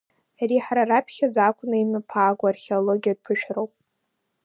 Ари ҳара раԥхьаӡа акәны имҩаԥааго археологиатә ԥышәароуп.